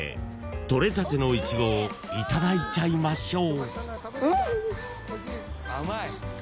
［取れたてのいちごをいただいちゃいましょう］